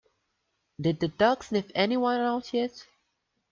Did the dog sniff anyone out yet?